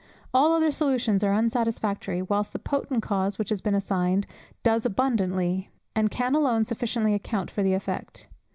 All other solutions are unsatisfactory, whilst the potent cause which has been assigned, does abundantly, and can alone sufficiently account for the effect.